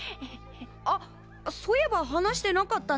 あっそういえば話してなかったね。